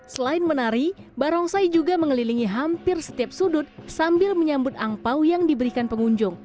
selain menari barongsai juga mengelilingi hampir setiap sudut sambil menyambut angpao yang diberikan pengunjung